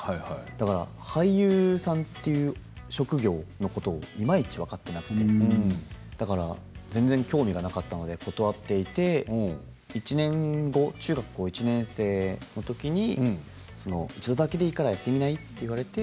だから俳優さんという職業のことをいまいち分かっていなくて全然、興味がなかったので断っていて１年後、中学１年生の時に一度だけでいいからやってみない？と言われて。